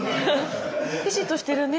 ピシッとしてるね。